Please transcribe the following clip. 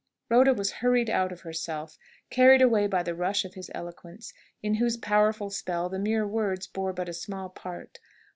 Rhoda was hurried out of herself, carried away by the rush of his eloquence, in whose powerful spell the mere words bore but a small part.